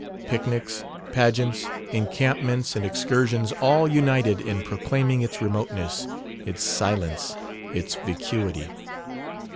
Picnics, pageants, encampments and excursions all united in proclaiming its remoteness, its silence, its vacuity.